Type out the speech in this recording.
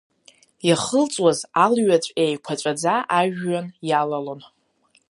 Иахылҵуаз алҩаҵә еиқәаҵәаӡа ажәҩан иалалон.